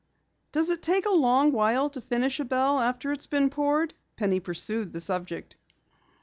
"Does it take a long while to finish a bell after it's been poured?" Penny pursued the subject.